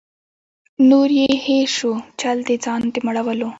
نور یې هېر سو چل د ځان د مړولو